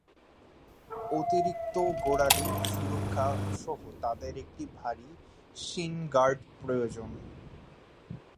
অতিরিক্ত গোড়ালি সুরক্ষা সহ তাদের একটি ভারী শিন গার্ড প্রয়োজন।